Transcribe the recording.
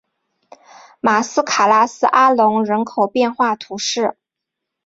马斯卡拉斯阿龙人口变化图示